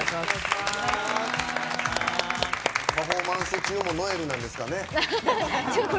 パフォーマンス中も如恵留なんですかね？